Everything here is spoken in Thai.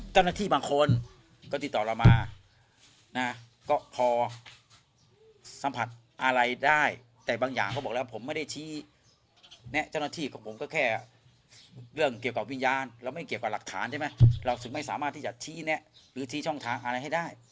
เจ้าหน้าที่บางคนก็ติดต่อเรามานะก็พอสัมผัสอะไรได้แต่บางอย่างเขาบอกแล้วผมไม่ได้ชี้แนะเจ้าหน้าที่ของผมก็แค่เรื่องเกี่ยวกับวิญญาณเราไม่เกี่ยวกับหลักฐานใช่ไหมเราถึงไม่สามารถที่จะชี้แนะหรือชี้ช่องทางอะไรให้ได้